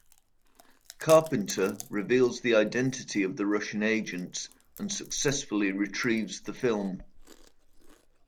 Carpenter reveals the identity of the Russian agents, and successfully retrieves the film.